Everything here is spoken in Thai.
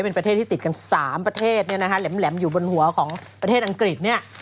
เป็นประเทศที่ติดกัน๓ประเทศเนี่ยนะคะแหลมอยู่บนหัวของประเทศอังกฤษเนี่ย